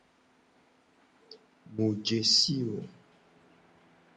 Mu je si wo.